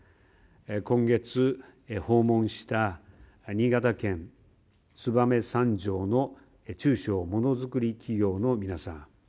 今月、訪問した新潟県燕三条の中小ものづくり企業の皆さん。